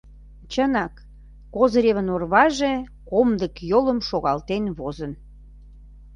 Чынак, Козыревын орваже комдык йолым шогалтен возын.